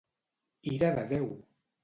Ira de Déu!